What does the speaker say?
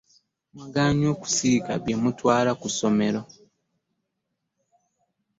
Mwagaanyi okusiika bye mutwala ku ssomero?